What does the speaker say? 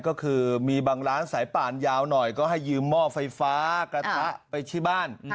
ก็คือมีบางร้านสายป่านยาวหน่อยก็ให้ยืมหม้อไฟฟ้ากระทะไปที่บ้าน